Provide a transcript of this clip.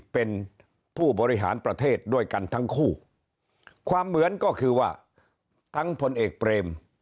เป็นผู้บริหารประเทศด้วยกันทั้งคู่ความเหมือนก็คือว่าทั้งพลเอกเปรม